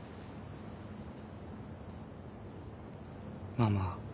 ママ。